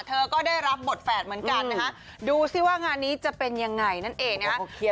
เธอก็ได้รับบทแฝดเหมือนกันนะฮะดูสิว่างานนี้จะเป็นยังไงนั่นเองนะฮะ